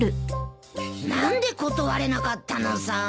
何で断れなかったのさ。